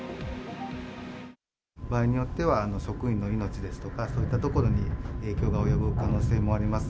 場合によっては職員の命ですとか、そういったところに影響が及ぶ可能性もあります。